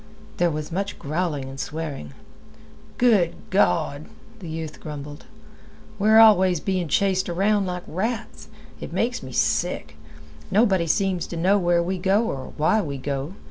There was much growling and swearing. "Good Gawd," the youth grumbled, "we're always being chased around like rats! It makes me sick. Nobody seems to know where we go or why we go.